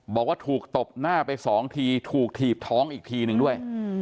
บอกว่าถูกตบหน้าไปสองทีถูกถีบท้องอีกทีนึงด้วย